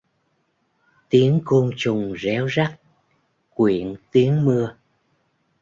Tiếng côn trùng réo rắt quyện tiếng mưa